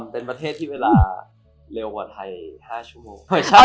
เป็นประเทศที่เวลาเร็วกว่าไทย๕ชั่วโมง